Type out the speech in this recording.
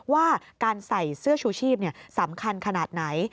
ว่าการใส่เสื้อชูชีพสำคัญขนาดไหน